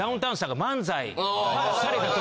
された時。